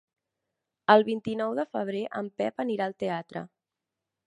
El vint-i-nou de febrer en Pep anirà al teatre.